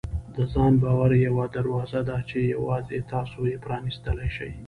د ځان باور یوه دروازه ده چې یوازې تاسو یې پرانیستلی شئ.